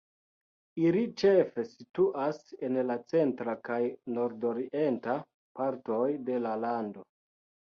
Ili ĉefe situas en la centra kaj nordorienta partoj de la lando.